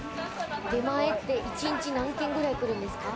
出前って１日何件くらい来るんですか？